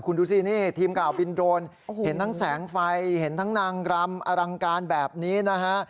คุณดูสินี่ทีมข่าวบินโรนเห็นทั้งแสงไฟเห็นทั้งนางรำอลังการแบบนี้นะฮะ